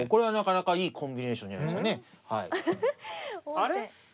あれ？